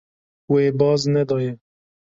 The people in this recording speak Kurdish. Wê baz nedaye.